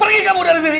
pergi kamu dari sini